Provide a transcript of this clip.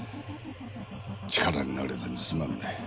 力になれずにすまんね。